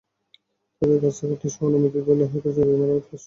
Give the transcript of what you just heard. তাঁদের কাছ থেকে অর্থসহ অনুমতি পেলে হয়তো জরুরি মেরামতকাজ শুরু করা যাবে।